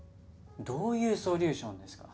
どういうソリューションですか。